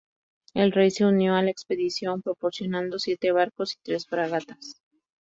El Rey se unió a la expedición proporcionando siete barcos y tres fragatas.